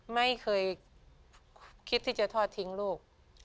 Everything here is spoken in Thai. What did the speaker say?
ไม่เคยคิดที่จะทอดทิ้งลูก